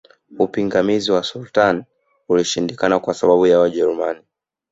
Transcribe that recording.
Upingamizi wa Sultani ulishindikana kwa sababu ya Wajerumani